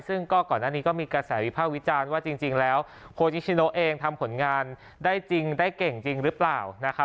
ซึ่งก็ก่อนหน้านี้ก็มีกระแสวิภาควิจารณ์ว่าจริงแล้วโคจิชิโนเองทำผลงานได้จริงได้เก่งจริงหรือเปล่านะครับ